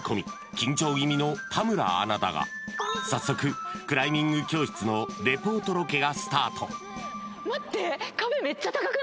緊張気味の田村アナだが早速クライミング教室のレポートロケがスタート